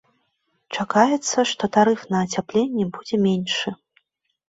Чакаецца, што тарыф на ацяпленне будзе меншы.